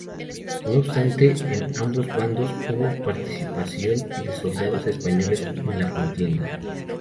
No obstante, en ambos bandos, hubo participación de soldados españoles en la contienda.